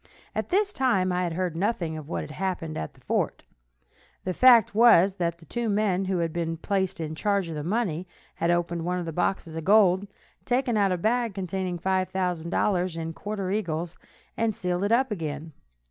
At this time I had heard nothing of what had happened at the fort. The fact was that the two men who had been placed in charge of the money had opened one of the boxes of gold, taken out a bag containing $5,000 in quarter eagles, and sealed it up again.